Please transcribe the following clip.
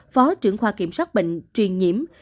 phó trưởng khoa kiểm soát bệnh truyền nhiễm